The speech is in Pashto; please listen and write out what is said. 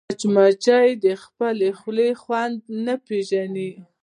مچمچۍ د خپلې خولې خوند نه پېژني